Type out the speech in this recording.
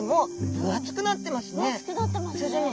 分厚くなってますね！